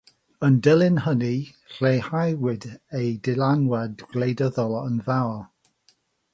Yn dilyn hynny, lleihawyd ei ddylanwad gwleidyddol yn fawr.